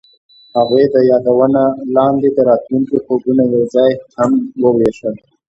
هغوی د یادونه لاندې د راتلونکي خوبونه یوځای هم وویشل.